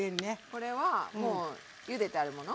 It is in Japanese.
これはもうゆでてあるもの？